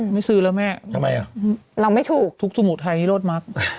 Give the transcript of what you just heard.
ไม่ซื้อแล้วแม่เราไม่ถูกทุกสมุทรไทยนี่โรดมัก